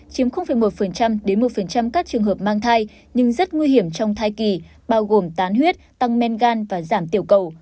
chiếm một đến một các trường hợp mang thai nhưng rất nguy hiểm trong thai kỳ bao gồm tán huyết tăng men gan và giảm tiểu cầu